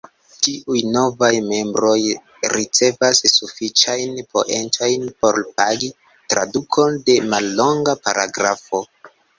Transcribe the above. Ĉiuj novaj membroj ricevas sufiĉajn poentojn por "pagi" tradukon de mallonga paragrafo.